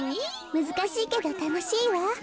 むずかしいけどたのしいわ。